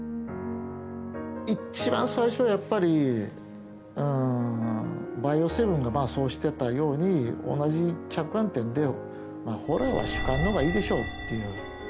一番最初やっぱりうん「バイオ７」がまあそうしてたように同じ着眼点でホラーは主観の方がいいでしょっていう。